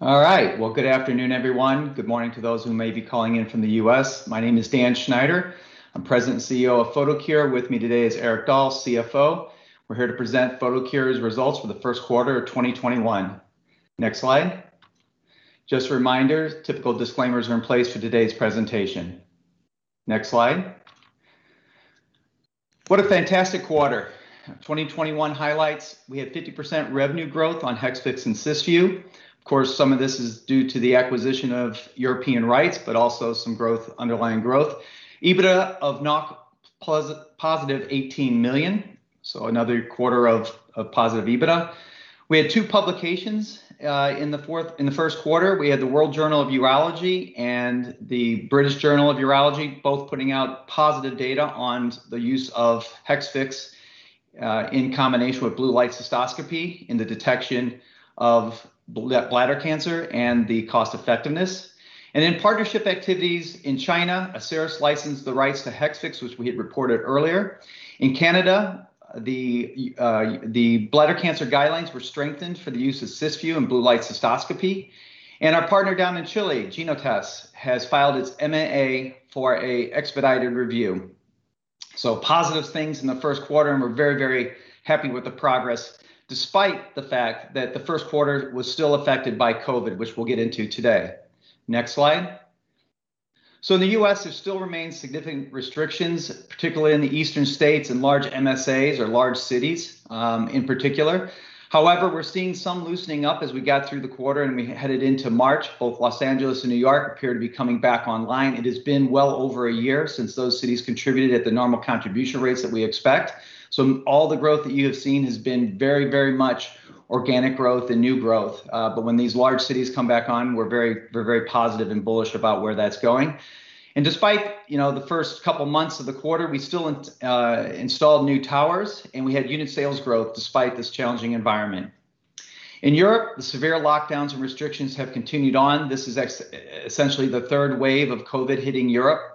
All right. Well, good afternoon, everyone. Good morning to those who may be calling in from the U.S. My name is Dan Schneider. I'm President and CEO of Photocure. With me today is Erik Dahl, CFO. We're here to present Photocure's results for the first quarter of 2021. Next slide. Just a reminder, typical disclaimers are in place for today's presentation. Next slide. What a fantastic quarter. 2021 highlights, we had 50% revenue growth on Hexvix and Cysview. Of course, some of this is due to the acquisition of European rights, but also some underlying growth. EBITDA of +18 million, so another quarter of positive EBITDA. We had two publications in the first quarter. We had the World Journal of Urology and the British Journal of Urology, both putting out positive data on the use of Hexvix in combination with blue light cystoscopy in the detection of bladder cancer and the cost effectiveness. In partnership activities in China, Asieris licensed the rights to Hexvix, which we had reported earlier. In Canada, the bladder cancer guidelines were strengthened for the use of Cysview and blue light cystoscopy. Our partner down in Chile, Genotests, has filed its MAA for a expedited review. Positive things in the first quarter, and we're very, very happy with the progress, despite the fact that the first quarter was still affected by COVID, which we'll get into today. Next slide. In the U.S., there still remains significant restrictions, particularly in the eastern states and large MSAs or large cities in particular. We're seeing some loosening up as we got through the quarter and we headed into March. Both Los Angeles and New York appear to be coming back online. It has been well over a year since those cities contributed at the normal contribution rates that we expect. All the growth that you have seen has been very much organic growth and new growth. When these large cities come back on, we're very positive and bullish about where that's going. Despite the first couple of months of the quarter, we still installed new towers, and we had unit sales growth despite this challenging environment. In Europe, the severe lockdowns and restrictions have continued on. This is essentially the third wave of COVID hitting Europe,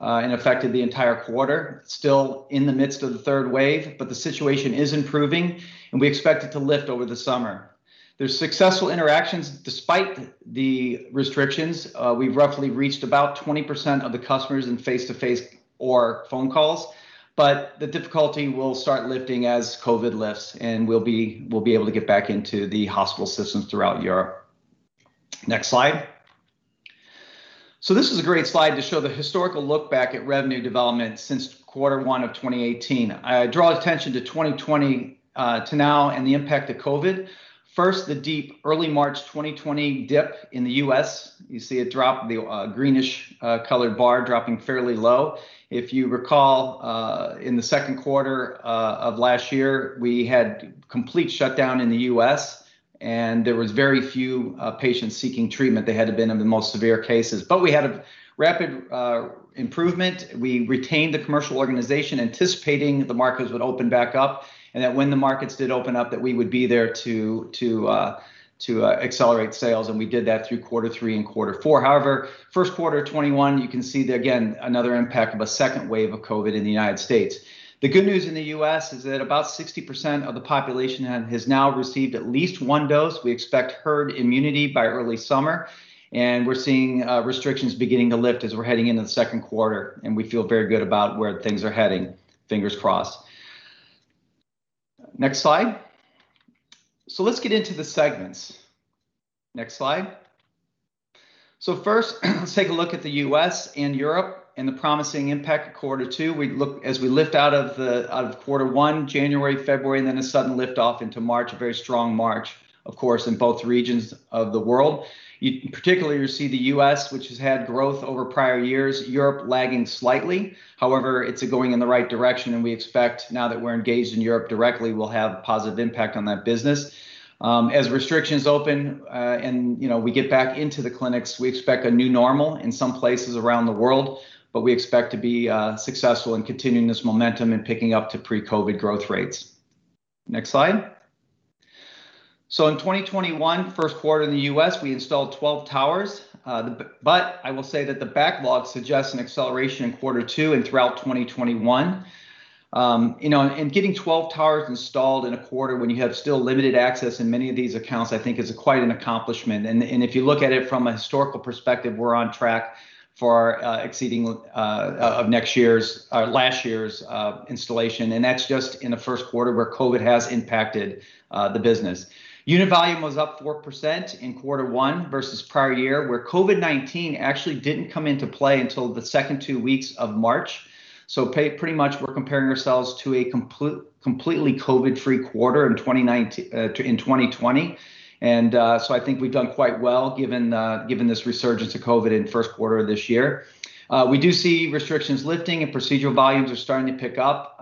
and affected the entire quarter. Still in the midst of the third wave, but the situation is improving, and we expect it to lift over the summer. There's successful interactions despite the restrictions. We've roughly reached about 20% of the customers in face-to-face or phone calls, but the difficulty will start lifting as COVID lifts, and we'll be able to get back into the hospital systems throughout Europe. Next slide. This is a great slide to show the historical look back at revenue development since quarter one of 2018. I draw attention to 2020 to now and the impact of COVID. First, the deep early March 2020 dip in the U.S. You see a drop, the greenish colored bar dropping fairly low. If you recall, in the second quarter of last year, we had complete shutdown in the U.S., and there was very few patients seeking treatment. They had to have been the most severe cases. We had a rapid improvement. We retained the commercial organization, anticipating the markets would open back up, and that when the markets did open up, that we would be there to accelerate sales, and we did that through quarter three and quarter four. First quarter 2021, you can see again, another impact of a second wave of COVID in the U.S. The good news in the U.S. is that about 60% of the population has now received at least one dose. We expect herd immunity by early summer, and we're seeing restrictions beginning to lift as we're heading into the second quarter, and we feel very good about where things are heading. Fingers crossed. Next slide. Let's get into the segments. Next slide. First, let's take a look at the U.S. and Europe and the promising impact of quarter two. As we lift out of quarter one, January, February, and then a sudden lift off into March, a very strong March, of course, in both regions of the world. Particularly you see the U.S., which has had growth over prior years. Europe lagging slightly. It's going in the right direction, and we expect now that we're engaged in Europe directly, we'll have a positive impact on that business. As restrictions open, and we get back into the clinics, we expect a new normal in some places around the world, but we expect to be successful in continuing this momentum and picking up to pre-COVID-19 growth rates. Next slide. In 2021, first quarter in the U.S., we installed 12 towers. I will say that the backlog suggests an acceleration in quarter two and throughout 2021. Getting 12 towers installed in a quarter when you have still limited access in many of these accounts, I think is quite an accomplishment. If you look at it from a historical perspective, we're on track for exceeding last year's installation, and that's just in the first quarter where COVID has impacted the business. Unit volume was up 4% in quarter one versus prior year, where COVID-19 actually didn't come into play until the second two weeks of March. Pretty much we're comparing ourselves to a completely COVID free quarter in 2020. I think we've done quite well given this resurgence of COVID in first quarter of this year. We do see restrictions lifting and procedural volumes are starting to pick up.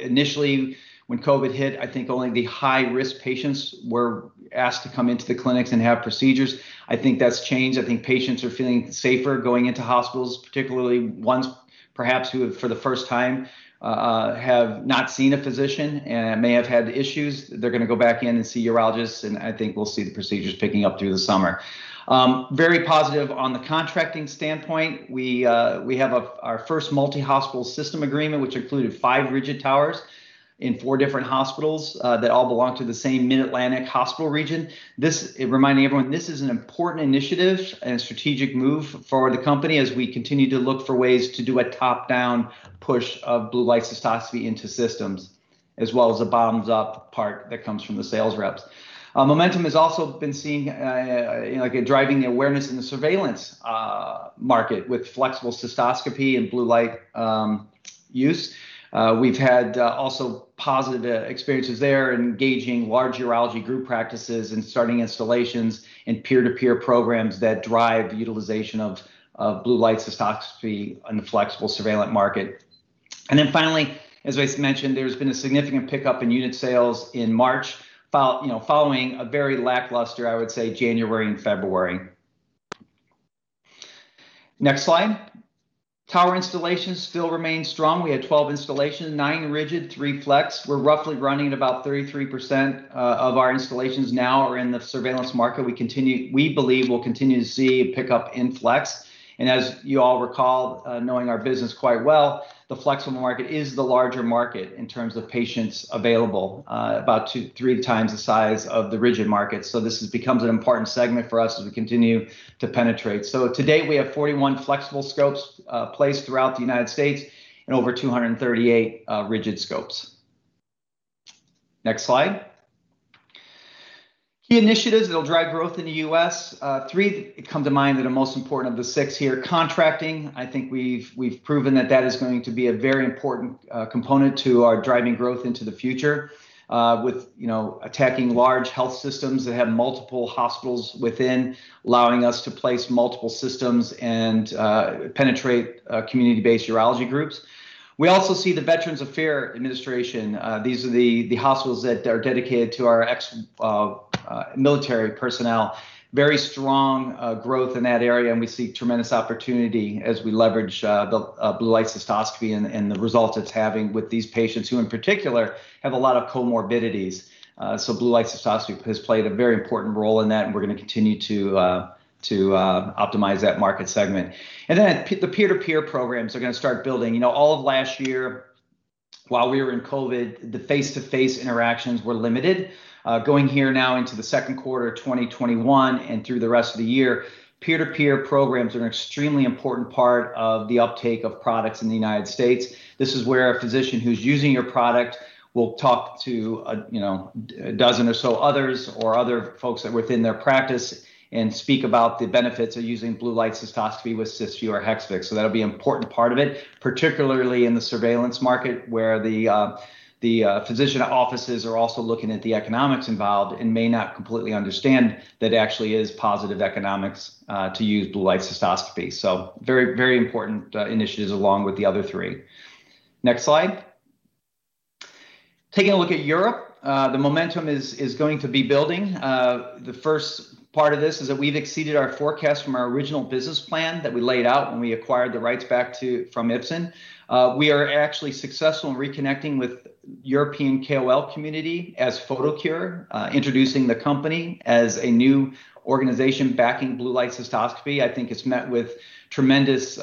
Initially when COVID hit, I think only the high risk patients were asked to come into the clinics and have procedures. I think that's changed. I think patients are feeling safer going into hospitals, particularly ones perhaps who have, for the first time, have not seen a physician and may have had issues. They're going to go back in and see urologists, and I think we'll see the procedures picking up through the summer. Very positive on the contracting standpoint. We have our first multi-hospital system agreement, which included five rigid towers in four different hospitals that all belong to the same Mid-Atlantic hospital region. Reminding everyone, this is an important initiative and a strategic move for the company as we continue to look for ways to do a top-down push of blue light cystoscopy into systems, as well as the bottoms up part that comes from the sales reps. Momentum has also been seen in driving awareness in the surveillance market with flexible cystoscopy and blue light use. We've had also positive experiences there engaging large urology group practices and starting installations and peer-to-peer programs that drive the utilization of blue light cystoscopy in flexible surveillance market. Finally, as I mentioned, there's been a significant pickup in unit sales in March following a very lackluster, I would say, January and February. Next slide. Tower installations still remain strong. We had 12 installations, nine rigid, three flex. We're roughly running about 33% of our installations now are in the surveillance market. We believe we'll continue to see a pickup in flex. As you all recall, knowing our business quite well, the flexible market is the larger market in terms of patients available. About two to three times the size of the rigid market. This becomes an important segment for us as we continue to penetrate. To date, we have 41 flexible scopes placed throughout the U.S. and over 238 rigid scopes. Next slide. Key initiatives that'll drive growth in the U.S. Three come to mind that are most important of the six here, contracting. I think we've proven that is going to be a very important component to our driving growth into the future with attacking large health systems that have multiple hospitals within, allowing us to place multiple systems and penetrate community-based urology groups. We also see the Veterans Affairs Administration. These are the hospitals that are dedicated to our ex military personnel. Very strong growth in that area, and we see tremendous opportunity as we leverage blue light cystoscopy and the results it's having with these patients, who in particular have a lot of comorbidities. Blue light cystoscopy has played a very important role in that, and we're going to continue to optimize that market segment. The peer-to-peer programs are going to start building. All of last year while we were in COVID-19, the face-to-face interactions were limited. Going here now into the second quarter of 2021 and through the rest of the year, peer-to-peer programs are an extremely important part of the uptake of products in the United States. This is where a physician who's using your product will talk to a dozen or so others, or other folks that are within their practice, and speak about the benefits of using blue light cystoscopy with Cysview or Hexvix. That'll be an important part of it, particularly in the surveillance market where the physician offices are also looking at the economics involved and may not completely understand that actually is positive economics to use blue light cystoscopy. Very important initiatives along with the other three. Next slide. Taking a look at Europe, the momentum is going to be building. The first part of this is that we've exceeded our forecast from our original business plan that we laid out when we acquired the rights back from Ipsen. We are actually successful in reconnecting with European KOL community as Photocure, introducing the company as a new organization backing blue light cystoscopy. I think it's met with tremendous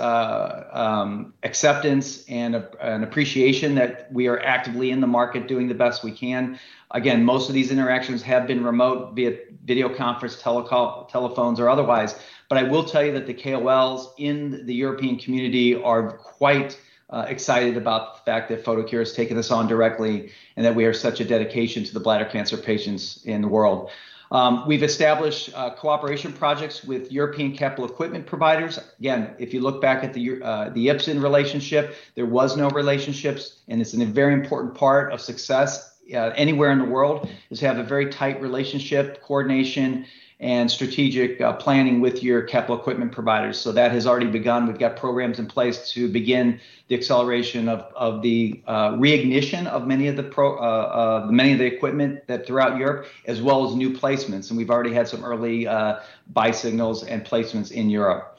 acceptance and appreciation that we are actively in the market doing the best we can. Again, most of these interactions have been remote via video conference, telephones or otherwise. I will tell you that the KOLs in the European community are quite excited about the fact that Photocure's taking this on directly and that we have such a dedication to the bladder cancer patients in the world. We've established cooperation projects with European capital equipment providers. Again, if you look back at the Ipsen relationship, there was no relationships, and it's a very important part of success anywhere in the world, is to have a very tight relationship, coordination and strategic planning with your capital equipment providers. That has already begun. We've got programs in place to begin the acceleration of the reignition of many of the equipment throughout Europe as well as new placements. We've already had some early buy signals and placements in Europe.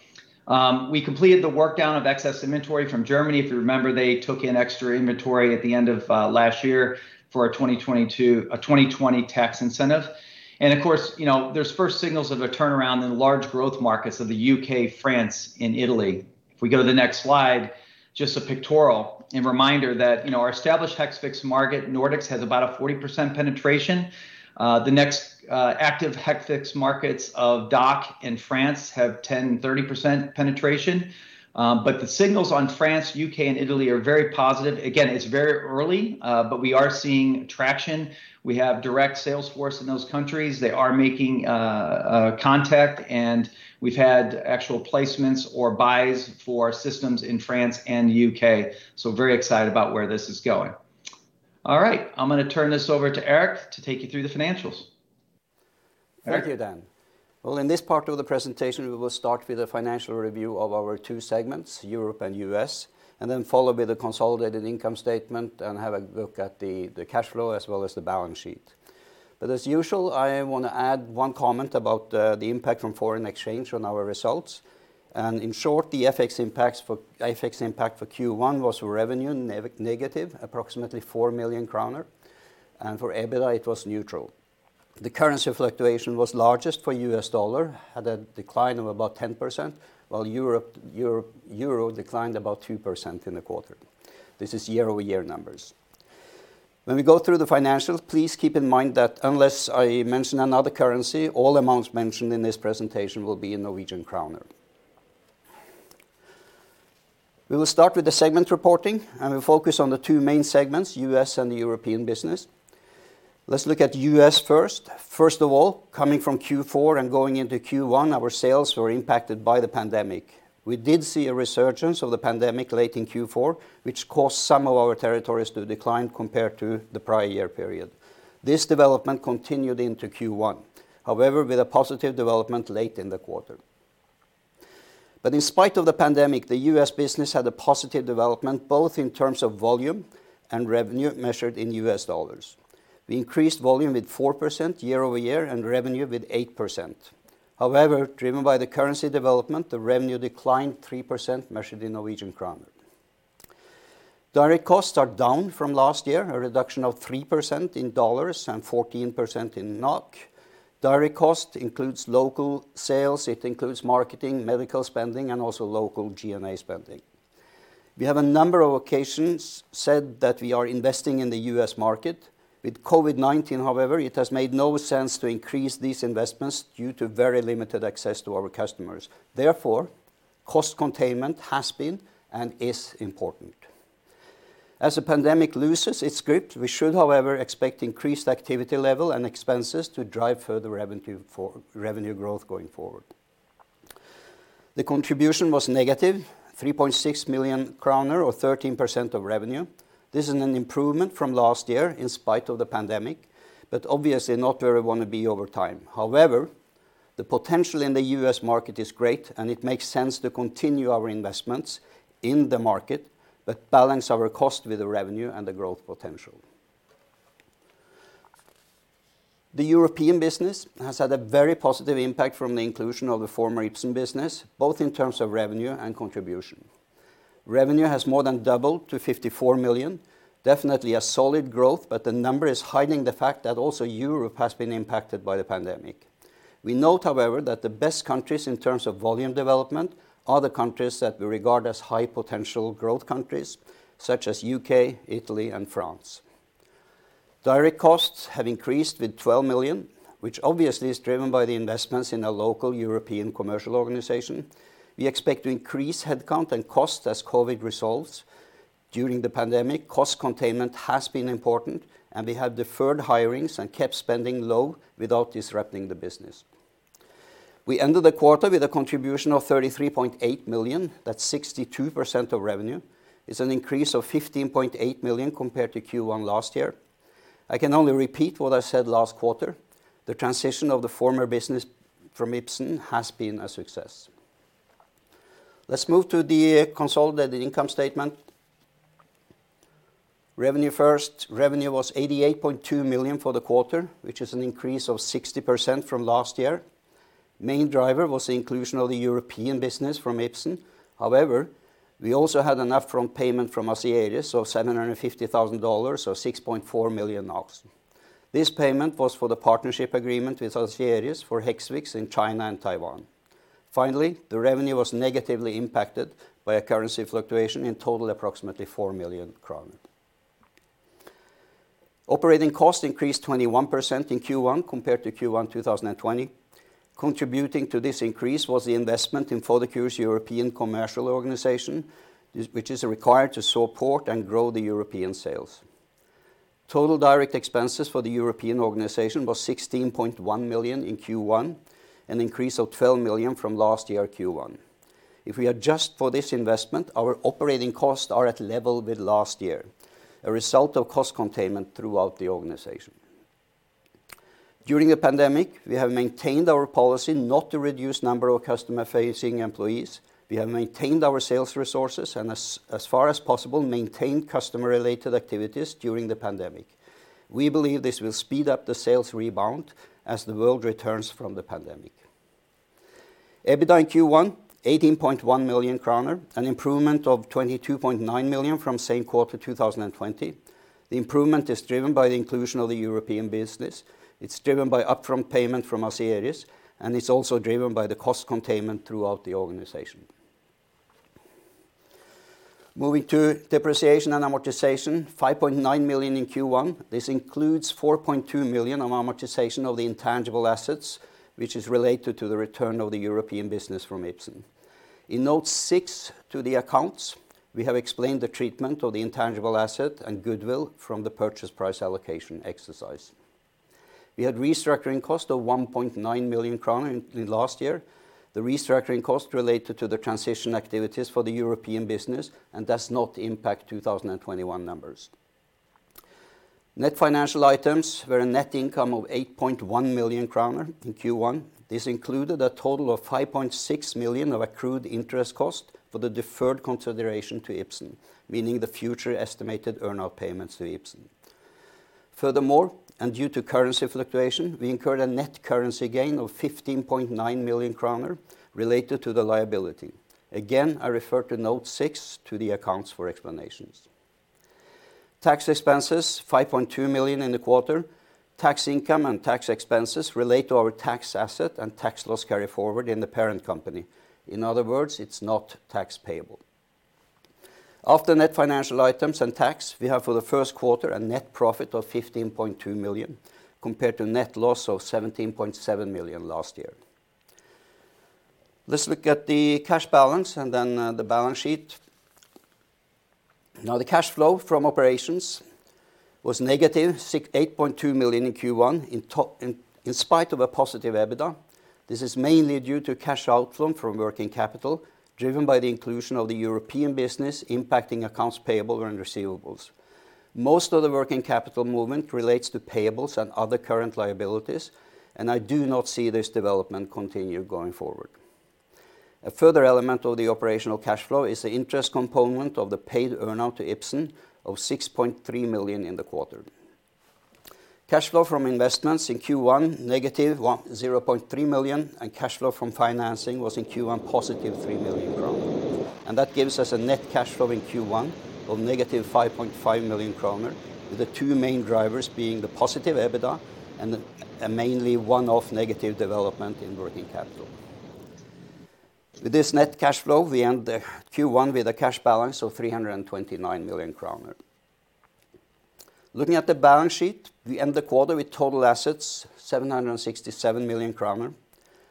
We completed the work down of excess inventory from Germany. If you remember, they took in extra inventory at the end of last year for a 2020 tax incentive. Of course, there's first signals of a turnaround in large growth markets of the U.K., France and Italy. If we go to the next slide, just a pictorial and reminder that our established Hexvix market in Nordics has about a 40% penetration. The next active Hexvix markets of DACH and France have 10% and 30% penetration. The signals on France, U.K. and Italy are very positive. Again, it's very early, but we are seeing traction. We have direct sales force in those countries. They are making contact and we've had actual placements or buys for systems in France and the U.K. Very excited about where this is going. All right, I'm going to turn this over to Erik to take you through the financials. Erik? Thank you, Dan. Well, in this part of the presentation, we will start with the financial review of our two segments, Europe and U.S., and then follow with the consolidated income statement and have a look at the cash flow as well as the balance sheet. As usual, I want to add one comment about the impact from foreign exchange on our results. In short, the FX impact for Q1 was revenue negative, approximately 4 million kroner. For EBITDA it was neutral. The currency fluctuation was largest for U.S. dollar, had a decline of about 10%, while euro declined about 2% in the quarter. This is year-over-year numbers. When we go through the financials, please keep in mind that unless I mention another currency, all amounts mentioned in this presentation will be in Norwegian kroner. We will start with the segment reporting, and we focus on the two main segments, U.S. and the European business. Let's look at U.S. first. First of all, coming from Q4 and going into Q1, our sales were impacted by the pandemic. We did see a resurgence of the pandemic late in Q4, which caused some of our territories to decline compared to the prior year period. This development continued into Q1, however, with a positive development late in the quarter. In spite of the pandemic, the U.S. business had a positive development, both in terms of volume and revenue measured in US dollars. We increased volume with 4% year-over-year and revenue with 8%. However, driven by the currency development, the revenue declined 3% measured in Norwegian kroner. Direct costs are down from last year, a reduction of 3% in dollars and 14% in NOK. Direct cost includes local sales, it includes marketing, medical spending, and also local G&A spending. We have on a number of occasions said that we are investing in the U.S. market. With COVID-19, however, it has made no sense to increase these investments due to very limited access to our customers. Therefore, cost containment has been and is important. As the pandemic loses its grip, we should, however, expect increased activity level and expenses to drive further revenue growth going forward. The contribution was -3.6 million kroner or 13% of revenue. This is an improvement from last year in spite of the pandemic, but obviously not where we want to be over time. The potential in the U.S. market is great, and it makes sense to continue our investments in the market but balance our cost with the revenue and the growth potential. The European business has had a very positive impact from the inclusion of the former Ipsen business, both in terms of revenue and contribution. Revenue has more than doubled to 54 million, definitely a solid growth, the number is hiding the fact that also Europe has been impacted by the pandemic. We note, however, that the best countries in terms of volume development are the countries that we regard as high potential growth countries, such as U.K., Italy, and France. Direct costs have increased with 12 million, which obviously is driven by the investments in our local European commercial organization. We expect to increase headcount and cost as COVID resolves. During the pandemic, cost containment has been important, and we have deferred hirings and kept spending low without disrupting the business. We ended the quarter with a contribution of 33.8 million, that's 62% of revenue. It's an increase of 15.8 million compared to Q1 last year. I can only repeat what I said last quarter, the transition of the former business from Ipsen has been a success. Let's move to the consolidated income statement. Revenue first, revenue was 88.2 million for the quarter, which is an increase of 60% from last year. Main driver was the inclusion of the European business from Ipsen. We also had an upfront payment from Asieris of $750,000 or NOK 6.4 million. This payment was for the partnership agreement with Asieris for Hexvix in China and Taiwan. The revenue was negatively impacted by a currency fluctuation in total approximately 4 million crown. Operating costs increased 21% in Q1 compared to Q1 2020. Contributing to this increase was the investment in Photocure's European commercial organization, which is required to support and grow the European sales. Total direct expenses for the European organization was 16.1 million in Q1, an increase of 12 million from last year Q1. If we adjust for this investment, our operating costs are at level with last year, a result of cost containment throughout the organization. During the pandemic, we have maintained our policy not to reduce number of customer-facing employees. We have maintained our sales resources and as far as possible, maintained customer-related activities during the pandemic. We believe this will speed up the sales rebound as the world returns from the pandemic. EBITDA Q1, 18.1 million kroner, an improvement of 22.9 million from same quarter 2020. The improvement is driven by the inclusion of the European business. It's driven by upfront payment from Asieris, and it's also driven by the cost containment throughout the organization. Moving to depreciation and amortization, 5.9 million in Q1. This includes 4.2 million on amortization of the intangible assets, which is related to the return of the European business from Ipsen. In note six to the accounts, we have explained the treatment of the intangible asset and goodwill from the purchase price allocation exercise. We had restructuring costs of 1.9 million kroner in last year. The restructuring costs related to the transition activities for the European business and does not impact 2021 numbers. Net financial items were a net income of 8.1 million kroner in Q1. This included a total of 5.6 million of accrued interest cost for the deferred consideration to Ipsen, meaning the future estimated earn-out payments to Ipsen. Furthermore, due to currency fluctuation, we incurred a net currency gain of 15.9 million kroner related to the liability. Again, I refer to note six to the accounts for explanations. Tax expenses, 5.2 million in the quarter. Tax income and tax expenses relate to our tax asset and tax loss carryforward in the parent company. In other words, it's not tax payable. After net financial items and tax, we have for the first quarter a net profit of 15.2 million, compared to net loss of 17.7 million last year. Let's look at the cash balance and then the balance sheet. The cash flow from operations was -8.2 million in Q1 in spite of a positive EBITDA. This is mainly due to cash outflow from working capital driven by the inclusion of the European business impacting accounts payable and receivables. Most of the working capital movement relates to payables and other current liabilities, and I do not see this development continue going forward. A further element of the operational cash flow is the interest component of the paid earn-out to Ipsen of 6.3 million in the quarter. Cash flow from investments in Q1, -0.3 million, cash flow from financing was in Q1 +3 million crown. That gives us a net cash flow in Q1 of -5.5 million kroner, with the two main drivers being the positive EBITDA and mainly one-off negative development in working capital. With this net cash flow, we end Q1 with a cash balance of 329 million kroner. Looking at the balance sheet, we end the quarter with total assets 767 million kroner.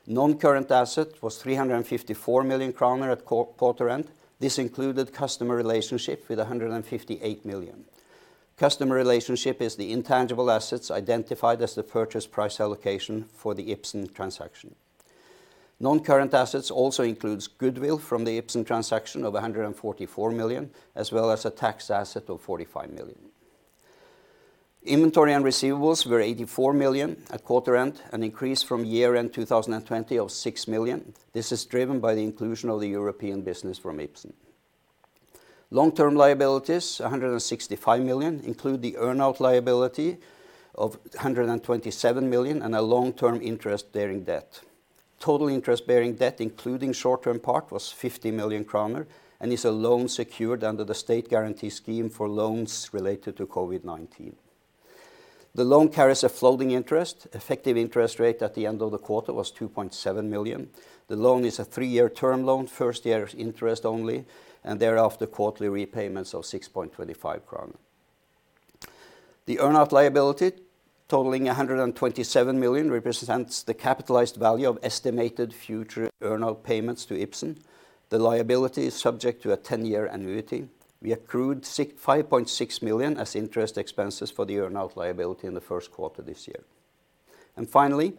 Non-current asset was 354 million kroner at quarter end. This included customer relationship with 158 million. Customer relationship is the intangible assets identified as the purchase price allocation for the Ipsen transaction. Non-current assets also includes goodwill from the Ipsen transaction of 144 million, as well as a tax asset of 45 million. Inventory and receivables were 84 million at quarter end, an increase from year-end 2020 of 6 million. This is driven by the inclusion of the European business from Ipsen. Long-term liabilities, 165 million, include the earn-out liability of 127 million and a long-term interest-bearing debt. Total interest-bearing debt, including short-term part, was 50 million kroner and is a loan secured under the state guarantee scheme for loans related to COVID-19. The loan carries a floating interest. Effective interest rate at the end of the quarter was 2.7%. The loan is a three-year term loan, first year is interest only, and thereafter, quarterly repayments of 6.25 crown. The earn-out liability totaling 127 million represents the capitalized value of estimated future earn-out payments to Ipsen. The liability is subject to a 10-year annuity. We accrued 5.6 million as interest expenses for the earn-out liability in the first quarter this year. Finally,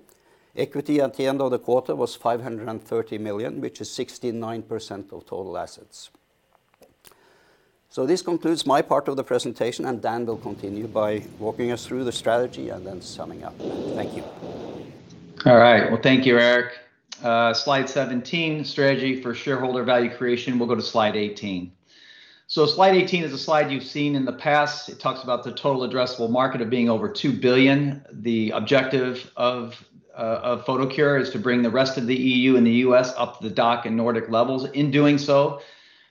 equity at the end of the quarter was 530 million, which is 69% of total assets. This concludes my part of the presentation, and Dan will continue by walking us through the strategy and then summing up. Thank you. All right. Well, thank you, Erik. Slide 17, strategy for shareholder value creation. We'll go to slide 18. Slide 18 is a slide you've seen in the past. It talks about the total addressable market of being over 2 billion. The objective of Photocure is to bring the rest of the EU and the U.S. up to the DACH and Nordic levels. In doing so,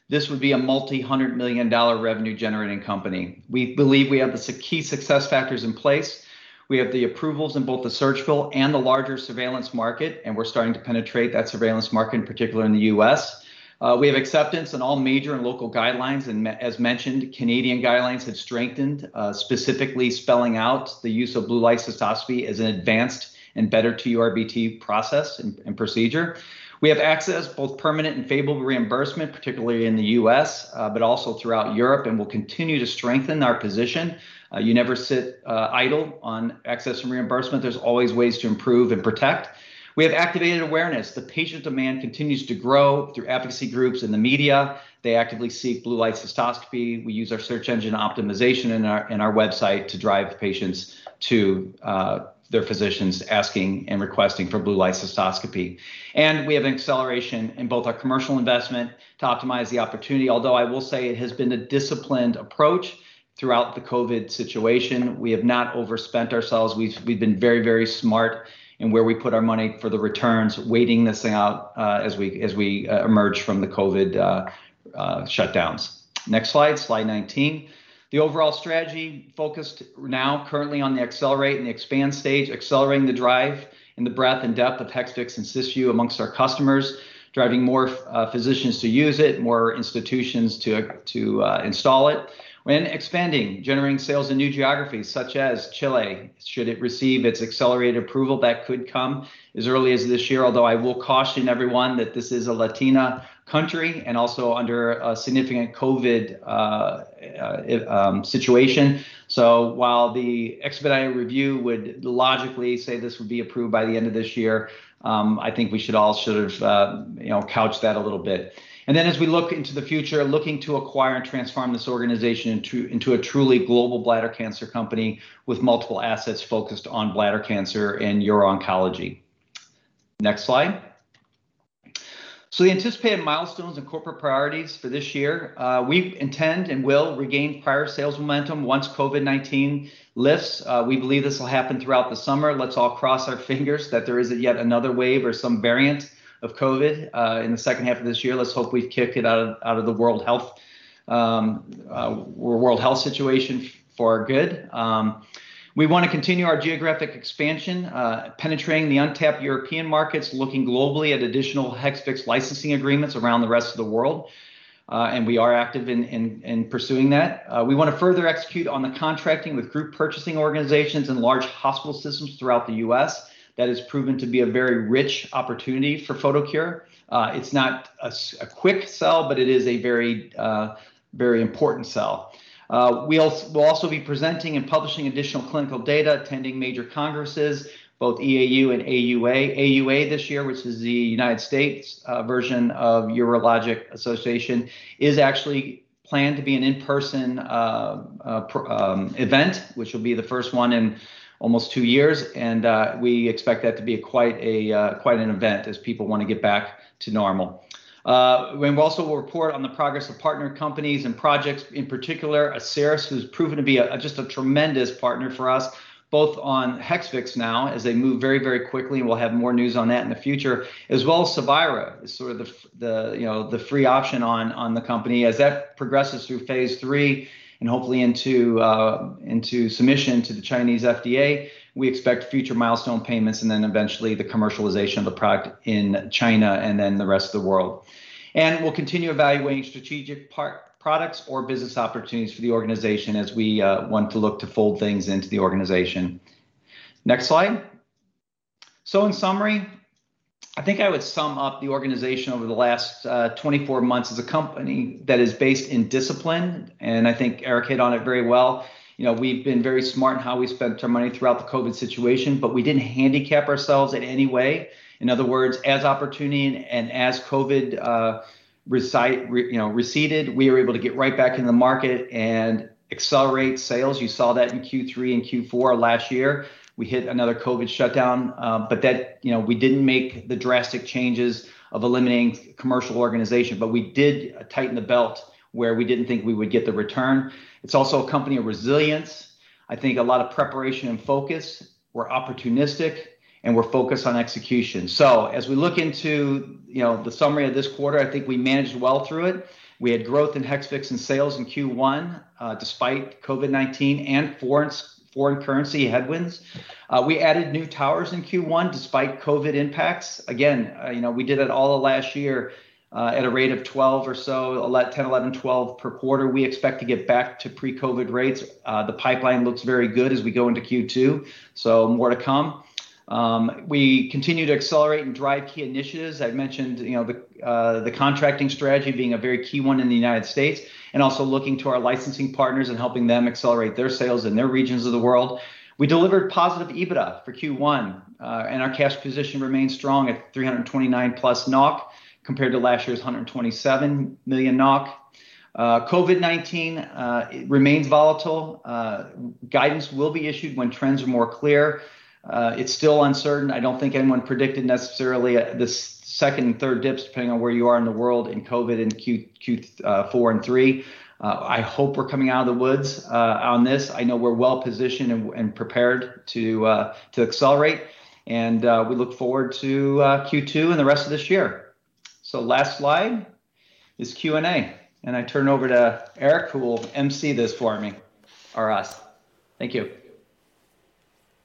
this would be a multi-hundred million dollar revenue generating company. We believe we have the key success factors in place. We have the approvals in both the surgical and the larger surveillance market, and we're starting to penetrate that surveillance market, particularly in the U.S. We have acceptance in all major and local guidelines, and as mentioned, Canadian guidelines have strengthened, specifically spelling out the use of blue light cystoscopy as an advanced and better TURBT process and procedure. We have access, both permanent and favorable reimbursement, particularly in the U.S., but also throughout Europe. We'll continue to strengthen our position. You never sit idle on access and reimbursement. There's always ways to improve and protect. We have activated awareness. The patient demand continues to grow through advocacy groups in the media. They actively seek blue light cystoscopy. We use our search engine optimization in our website to drive patients to their physicians asking and requesting for blue light cystoscopy. We have acceleration in both our commercial investment to optimize the opportunity. Although I will say it has been a disciplined approach throughout the COVID situation. We have not overspent ourselves. We've been very smart in where we put our money for the returns, waiting this thing out as we emerge from the COVID shutdowns. Next slide 19. The overall strategy focused now currently on the accelerate and expand stage, accelerating the drive and the breadth and depth of Hexvix and Cysview amongst our customers, driving more physicians to use it, more institutions to install it. Expanding, generating sales in new geographies such as Chile, should it receive its accelerated approval, that could come as early as this year, although I will caution everyone that this is a Latina country and also under a significant COVID-19 situation. While the expedited review would logically say this would be approved by the end of this year, I think we should all sort of couch that a little bit. As we look into the future, looking to acquire and transform this organization into a truly global bladder cancer company with multiple assets focused on bladder cancer and uro-oncology. Next slide. We anticipate milestones and corporate priorities for this year. We intend and will regain prior sales momentum once COVID-19 lifts. We believe this will happen throughout the summer. Let's all cross our fingers that there isn't yet another wave or some variant of COVID in the second half of this year. Let's hope we kick it out of the World Health situation for good. We want to continue our geographic expansion penetrating the untapped European markets, looking globally at additional Hexvix licensing agreements around the rest of the world, and we are active in pursuing that. We want to further execute on the contracting with group purchasing organizations and large hospital systems throughout the U.S. That has proven to be a very rich opportunity for Photocure. It's not a quick sell, but it is a very important sell. We'll also be presenting and publishing additional clinical data, attending major congresses, both EAU and AUA. AUA this year, which is the United States version of urologic association, is actually planned to be an in-person event, which will be the first one in almost two years. We expect that to be quite an event as people want to get back to normal. We will also report on the progress of partner companies and projects, in particular Asieris, who's proven to be just a tremendous partner for us both on Hexvix now as they move very quickly. We'll have more news on that in the future, as well as Cevira. The free option on the company as that progresses through phase III and hopefully into submission to the NMPA. We expect future milestone payments and then eventually the commercialization of the product in China and then the rest of the world. We'll continue evaluating strategic products or business opportunities for the organization as we want to look to fold things into the organization. Next slide. In summary, I think I would sum up the organization over the last 24 months as a company that is based in discipline, and I think Erik hit on it very well. We've been very smart in how we spent our money throughout the COVID-19 situation, but we didn't handicap ourselves in any way. In other words, as opportunity and as COVID-19 receded, we were able to get right back in the market and accelerate sales. You saw that in Q3 and Q4 last year. We hit another COVID shutdown. We didn't make the drastic changes of eliminating commercial organization, but we did tighten the belt where we didn't think we would get the return. It's also a company of resilience, I think a lot of preparation and focus. We're opportunistic and we're focused on execution. As we look into the summary of this quarter, I think we managed well through it. We had growth in Hexvix and sales in Q1 despite COVID-19 and foreign currency headwinds. We added new towers in Q1 despite COVID impacts. Again, we did it all last year at a rate of 12 or so, 10, 11, 12 per quarter. We expect to get back to pre-COVID rates. The pipeline looks very good as we go into Q2, so more to come. We continue to accelerate and drive key initiatives. I mentioned the contracting strategy being a very key one in the U.S. and also looking to our licensing partners and helping them accelerate their sales in their regions of the world. We delivered positive EBITDA for Q1 and our cash position remains strong at 329+ compared to last year's 127 million NOK. COVID-19 remains volatile. Guidance will be issued when trends are more clear. It is still uncertain. I don't think anyone predicted necessarily this second and third dip, depending on where you are in the world in COVID-19 in Q4 and Q3. I hope we are coming out of the woods on this. I know we are well positioned and prepared to accelerate, and we look forward to Q2 and the rest of this year. Last slide is Q&A, and I turn over to Erik who will emcee this for me or us. Thank you.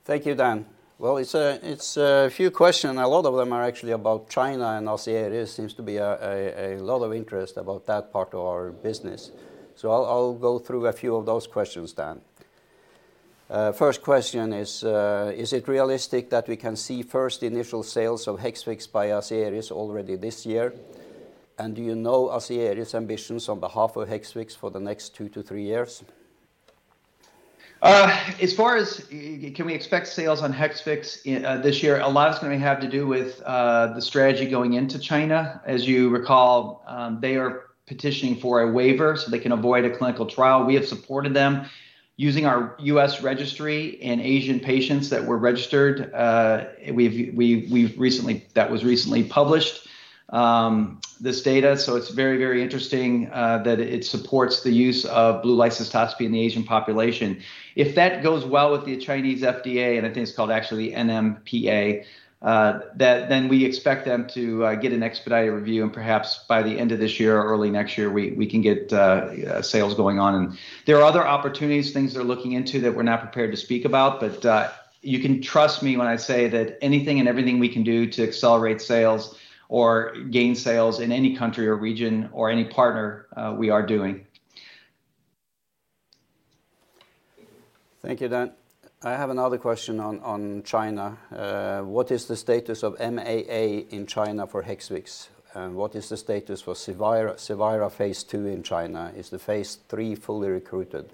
Thank you, Dan. Well, it's a few questions. A lot of them are actually about China and Asieris. There seems to be a lot of interest about that part of our business. I'll go through a few of those questions then. First question is it realistic that we can see first initial sales of Hexvix by Asieris already this year? Do you know Asieris ambitions on behalf of Hexvix for the next two to three years? As far as can we expect sales on Hexvix this year, a lot of it is going to have to do with the strategy going into China. As you recall, they are petitioning for a waiver so they can avoid a clinical trial. We have supported them using our U.S. registry and Asian patients that were registered. That was recently published this data. It's very interesting that it supports the use of blue light cystoscopy in the Asian population. If that goes well with the Chinese FDA, and I think it's called actually NMPA, we expect them to get an expedited review and perhaps by the end of this year or early next year we can get sales going on. There are other opportunities, things they're looking into that we're not prepared to speak about. You can trust me when I say that anything and everything we can do to accelerate sales or gain sales in any country or region or any partner, we are doing. Thank you, Dan. I have another question on China. What is the status of MAA in China for Hexvix and what is the status for Cevira phase II in China? Is the phase III fully recruited?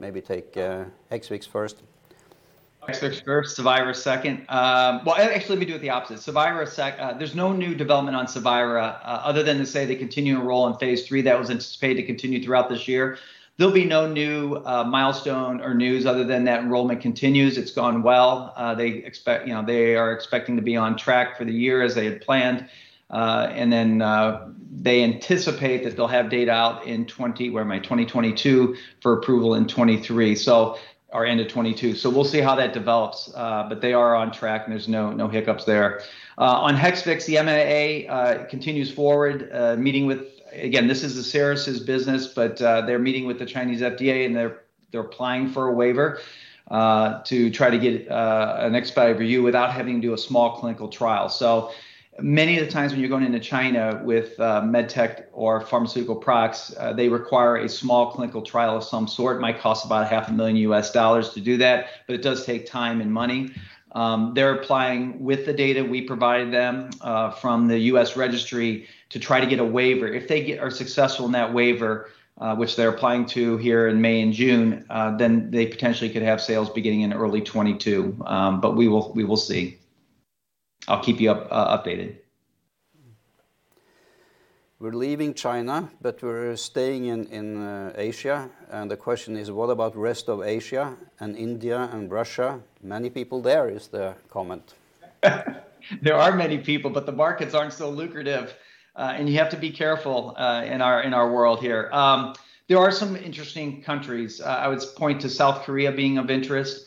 Maybe take Hexvix first. Hexvix first, Cevira second. Well, actually, let me do it the opposite. Cevira second. There's no new development on Cevira other than to say they continue to enroll in phase III. That was anticipated to continue throughout this year. There'll be no new milestone or news other than that enrollment continues. It's gone well. They are expecting to be on track for the year as they had planned. Then they anticipate that they'll have data out in 2022 for approval in 2023 or end of 2022. We'll see how that develops. They are on track and there's no hiccups there. On Hexvix, the MAA continues forward. Again, this is Asieris' business, but they're meeting with the Chinese FDA and They're applying for a waiver to try to get an expedited review without having to do a small clinical trial. Many of the times when you're going into China with med tech or pharmaceutical products, they require a small clinical trial of some sort. It might cost about a half a million U.S. dollars to do that, but it does take time and money. They're applying with the data we provided them from the U.S. registry to try to get a waiver. If they are successful in that waiver, which they're applying to here in May and June, then they potentially could have sales beginning in early 2022. We will see. I'll keep you updated. We're leaving China, but we're staying in Asia, and the question is, "What about rest of Asia and India and Russia? Many people there," is the comment. There are many people, the markets aren't so lucrative. You have to be careful in our world here. There are some interesting countries. I would point to South Korea being of interest.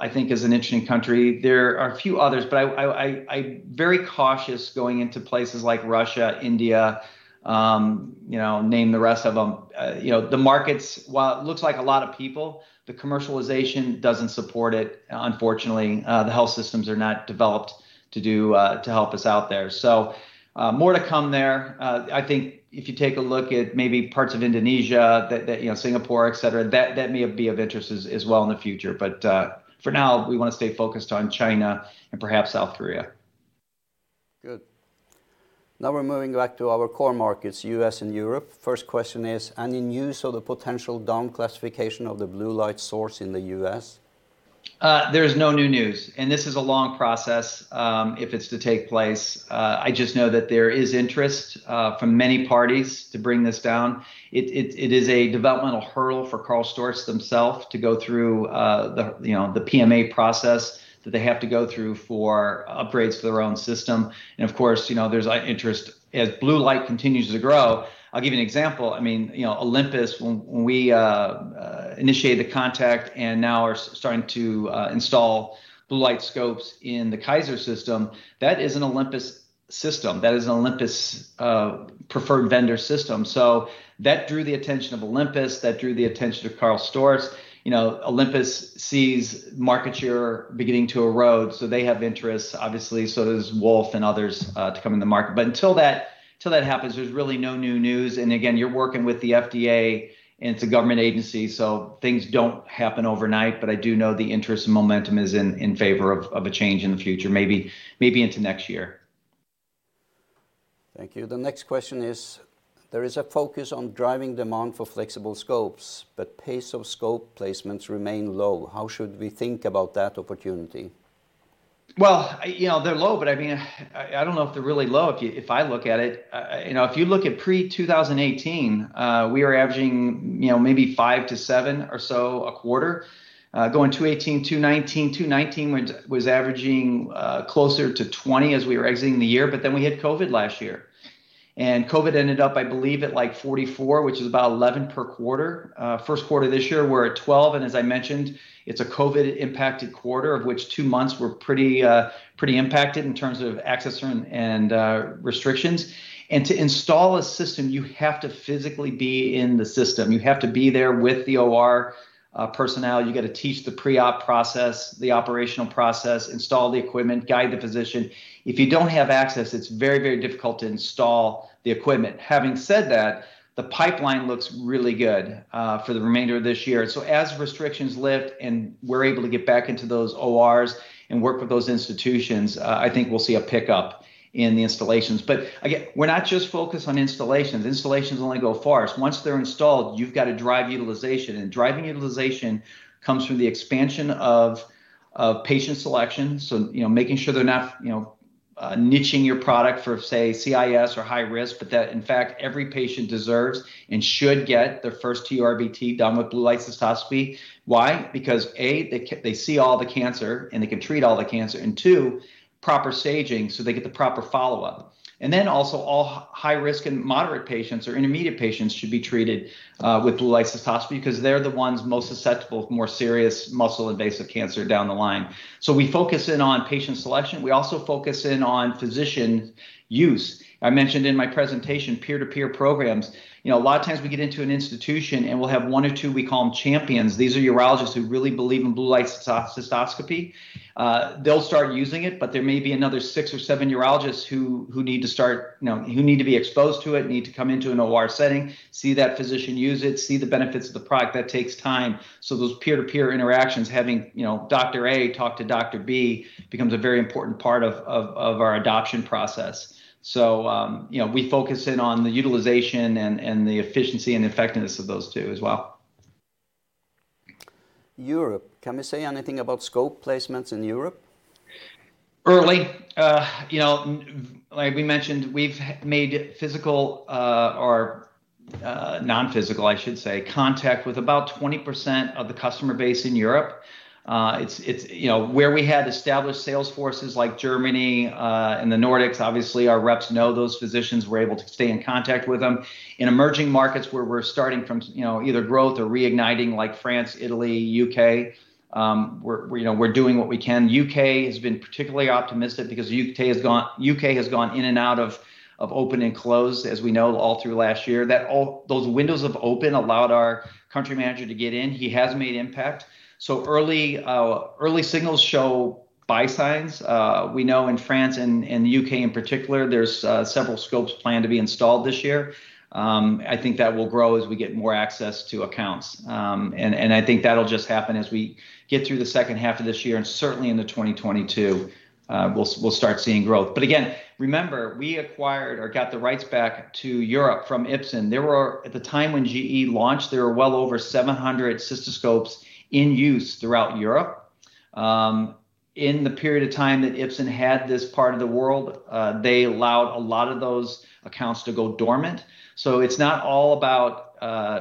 I think is an interesting country. There are a few others, I'm very cautious going into places like Russia, India, name the rest of them. The markets looks like a lot of people, commercialization doesn't support it, unfortunately. The health systems are not developed to help us out there. More to come there. I think if you take a look at maybe parts of Indonesia, Singapore, et cetera, that may be of interest as well in the future. For now, we want to stay focused on China and perhaps South Korea. Good. We're moving back to our core markets, U.S. and Europe. First question is, "Any news of the potential down-classification of the blue light source in the U.S.? There's no new news, and this is a long process, if it's to take place. I just know that there is interest from many parties to bring this down. It is a developmental hurdle for Karl Storz themselves to go through the PMA process that they have to go through for upgrades to their own system. Of course, there's interest as blue light continues to grow. I'll give you an example. Olympus, when we initiated contact and now are starting to install blue light scopes in the Kaiser system, that is an Olympus system. That is an Olympus preferred vendor system. That drew the attention of Olympus, that drew the attention of Karl Storz. Olympus sees market share beginning to erode, so they have interests, obviously, so does Wolf and others to come in the market. Until that happens, there's really no new news. Again, you're working with the FDA, and it's a government agency, so things don't happen overnight, but I do know the interest and momentum is in favor of a change in the future. Maybe into next year. Thank you. The next question is, "There is a focus on driving demand for flexible scopes, but pace of scope placements remain low. How should we think about that opportunity? They're low, but I don't know if they're really low if I look at it. If you look at pre-2018, we were averaging maybe five to seven or so a quarter. Going 2018 to 2019 was averaging closer to 20 as we were exiting the year, but then we had COVID last year. COVID ended up, I believe, at 44, which is about 11 per quarter. First quarter this year, we're at 12, and as I mentioned, it's a COVID-impacted quarter, of which two months were pretty impacted in terms of access and restrictions. To install a system, you have to physically be in the system. You have to be there with the OR personnel. You got to teach the pre-op process, the operational process, install the equipment, guide the physician. If you don't have access, it's very difficult to install the equipment. Having said that, the pipeline looks really good for the remainder of this year. As restrictions lift and we're able to get back into those ORs and work with those institutions, I think we'll see a pickup in the installations. Again, we're not just focused on installations. Installations only go far. Once they're installed, you've got to drive utilization. Driving utilization comes from the expansion of patient selection. Making sure they're not niching your product for, say, CIS or high risk, but that in fact, every patient deserves and should get their first TURBT done with blue light cystoscopy. Why? Because, A, they see all the cancer and they can treat all the cancer, and two, proper staging, so they get the proper follow-up. All high risk and moderate patients or intermediate patients should be treated with blue light cystoscopy because they're the ones most susceptible to more serious muscle-invasive cancer down the line. We focus in on patient selection. We also focus in on physician use. I mentioned in my presentation peer-to-peer programs. A lot of times we get into an institution, and we'll have one or two we call them champions. These are urologists who really believe in blue light cystoscopy. They'll start using it, but there may be another six or seven urologists who need to be exposed to it, need to come into an OR setting, see that physician use it, see the benefits of the product. That takes time. Those peer-to-peer interactions, having Dr. A talk to Dr. B becomes a very important part of our adoption process. We focus in on the utilization and the efficiency and effectiveness of those two as well. Europe. Can we say anything about scope placements in Europe? Early. Like we mentioned, we've made physical or non-physical, I should say, contact with about 20% of the customer base in Europe. We had established sales forces like Germany and the Nordics, obviously our reps know those physicians. We're able to stay in contact with them. In emerging markets where we're starting from either growth or reigniting, like France, Italy, U.K., we're doing what we can. U.K. has been particularly optimistic because U.K. has gone in and out of open and close, as we know, all through last year. Windows of open allowed our country manager to get in. He has made an impact. Early signals show buy signs. We know in France and the U.K. in particular, there's several scopes planned to be installed this year. I think that will grow as we get more access to accounts. I think that'll just happen as we get through the second half of this year, and certainly into 2022 we'll start seeing growth. Again, remember, we acquired or got the rights back to Europe from Ipsen. At the time when GE launched, there were well over 700 cystoscopes in use throughout Europe. In the period of time that Ipsen had this part of the world, they allowed a lot of those accounts to go dormant. It's not all about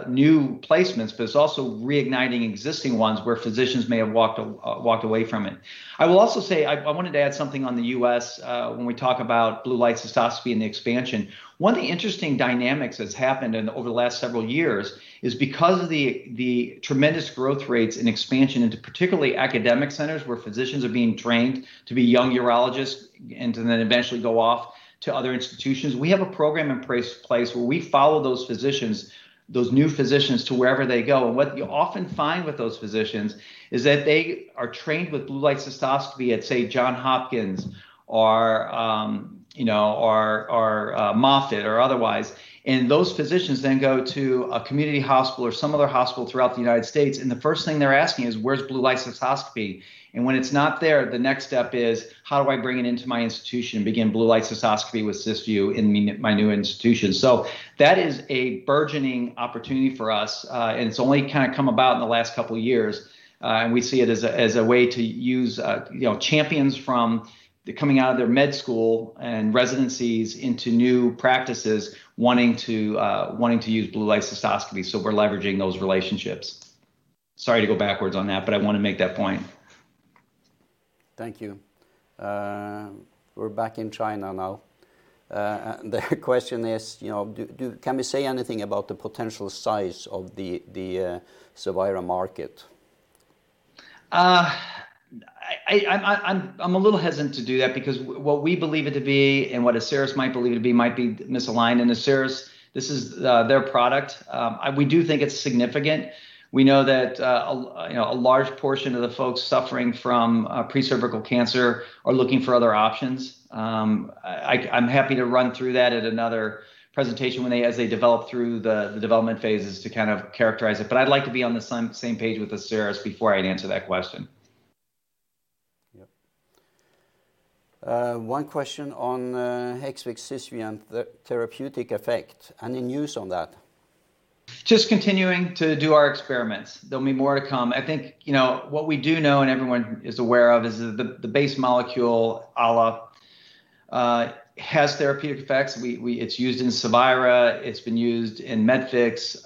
new placements, but it's also reigniting existing ones where physicians may have walked away from it. I will also say, I wanted to add something on the U.S. when we talk about blue light cystoscopy and expansion. One of the interesting dynamics that's happened over the last several years is because of the tremendous growth rates and expansion into particularly academic centers where physicians are being trained to be young urologists and to then eventually go off to other institutions. We have a program in place where we follow those physicians, those new physicians, to wherever they go. What you often find with those physicians is that they are trained with blue light cystoscopy at, say, Johns Hopkins or Moffitt or otherwise, and those physicians then go to a community hospital or some other hospital throughout the U.S., and the first thing they're asking is, "Where's blue light cystoscopy?" When it's not there, the next step is, "How do I bring it into my institution, begin blue light cystoscopy with Cysview in my new institution?" That is a burgeoning opportunity for us, and it's only come about in the last couple of years. We see it as a way to use champions from coming out of their med school and residencies into new practices wanting to use blue light cystoscopy. We're leveraging those relationships. Sorry to go backwards on that, but I want to make that point. Thank you. We're back in China now. The question is, can we say anything about the potential size of the Cevira market? I'm a little hesitant to do that because what we believe it to be and what Asieris might believe it to be might be misaligned. Asieris, this is their product. We do think it's significant. We know that a large portion of the folks suffering from precervical cancer are looking for other options. I'm happy to run through that at another presentation as they develop through the development phases to kind of characterize it. I'd like to be on the same page with Asieris before I answer that question. Yep. One question on Hexvix, Cysview and the therapeutic effect. Any news on that? Just continuing to do our experiments. There'll be more to come. I think what we do know, and everyone is aware of, is that the base molecule, ALA, has therapeutic effects. It's used in Cevira. It's been used in Metvix.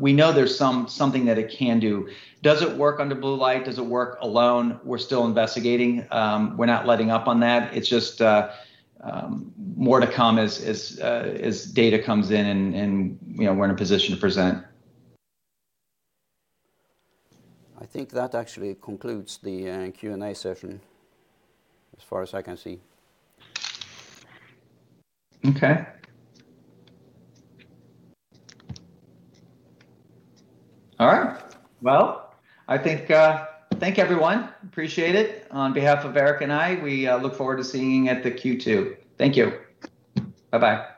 We know there's something that it can do. Does it work under blue light? Does it work alone? We're still investigating. We're not letting up on that. It's just more to come as data comes in and we're in a position to present. I think that actually concludes the Q&A session, as far as I can see. Okay. All right. Well, I thank everyone. Appreciate it. On behalf of Erik and I, we look forward to seeing you at the Q2. Thank you. Bye-bye.